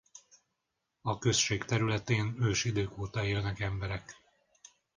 A község területén ősidők óta élnek emberek.